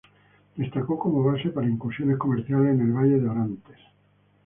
Destacó como base para incursiones comerciales en el valle de Orantes.